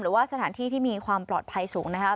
หรือว่าสถานที่ที่มีความปลอดภัยสูงนะครับ